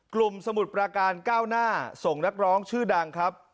กลุ่มสมุดปราการ๙หน้าส่งนักร้องชื่อดังครับ